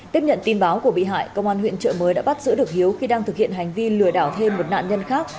tiếp nhận tin báo của bị hại công an huyện trợ mới đã bắt giữ được hiếu khi đang thực hiện hành vi lừa đảo thêm một nạn nhân khác